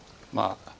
まあ。